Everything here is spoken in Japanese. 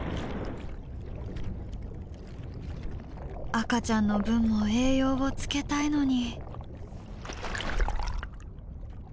「赤ちゃんの分も栄養をつけたいのに」。